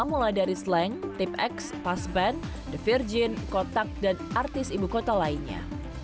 mulai dari slang tip x passban the virgin kotak dan artis ibu kota lainnya